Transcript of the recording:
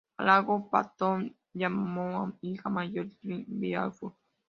Halagado, Paton llamó a hija mayor Myrtle Beaufort.